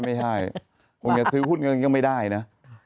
ไม่ใช่ผมจะซื้อหุ้นก็ไม่ได้นะ